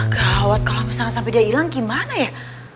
gawat kalau misalkan sampai dia hilang gimana ya